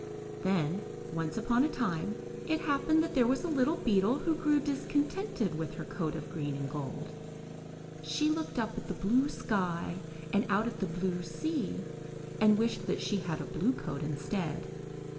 Then, once upon a time, it happened that there was a little beetle who grew discontented with her coat of green and gold. She looked up at the blue sky and out at the blue sea and wished that she had a blue coat instead.